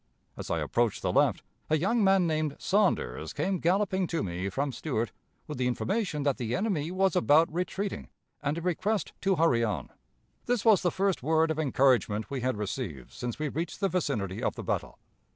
As I approached the left, a young man named Saunders came galloping to me from Stuart with the information that the enemy was about retreating, and a request to hurry on. This was the first word of encouragement we had received since we reached the vicinity of the battle.